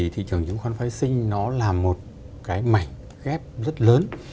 thị trường chứng khoán phái sinh là một mảnh ghép rất lớn